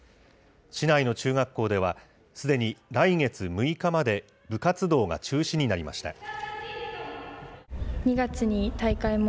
市内の中学校では、すでに来月６日まで部活動が中止になりました。